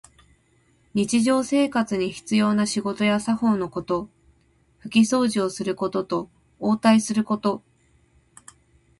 日常生活に必要な仕事や作法のこと。ふきそうじをすることと、応対すること。